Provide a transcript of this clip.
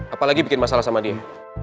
apalagi bikin masalah sama dia